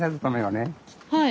はい。